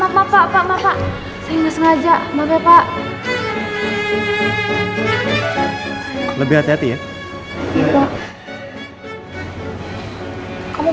gak percaya lah dulu muka makin berlaku